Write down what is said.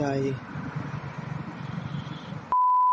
เสียดาย